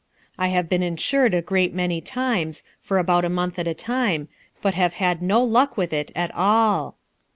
I have been insured a great many times, for about a month at a time, but have had no luck with it at all.